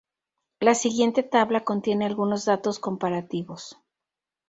La siguiente tabla contiene algunos datos comparativos.